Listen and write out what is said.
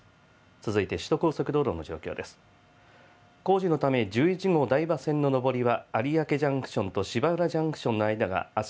続いて首都高速道路の状況です。